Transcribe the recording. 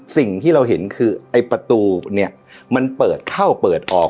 สิ่งที่เราเห็นคือไอ้ประตูเนี่ยมันเปิดเข้าเปิดออก